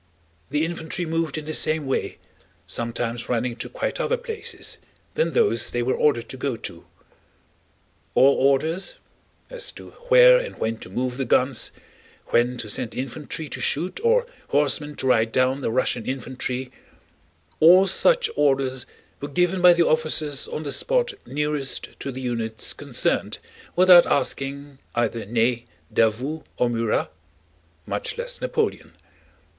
The infantry moved in the same way, sometimes running to quite other places than those they were ordered to go to. All orders as to where and when to move the guns, when to send infantry to shoot or horsemen to ride down the Russian infantry—all such orders were given by the officers on the spot nearest to the units concerned, without asking either Ney, Davout, or Murat, much less Napoleon.